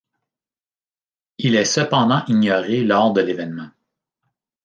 Il est cependant ignoré lors de l'événement.